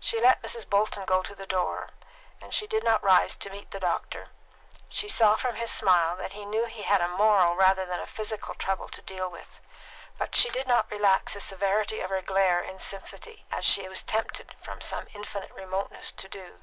She let Mrs. Bolton go to the door, and she did not rise to meet the doctor; she saw from his smile that he knew he had a moral rather than a physical trouble to deal with, but she did not relax the severity of her glare in sympathy, as she was tempted from some infinite remoteness to do.